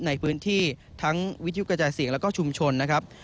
ในพื้นที่ทั้งวิทยุกระจายเสียงแล้วก็ชุมชนนะครับ